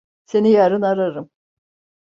Seni yarın ararım.